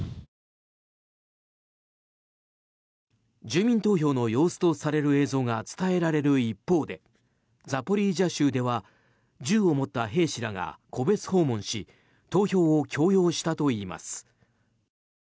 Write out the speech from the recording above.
住民投票の様子とされる映像が伝えられる一方でザポリージャ州では銃を持った兵士らが個別訪問し投票を強要したといいます。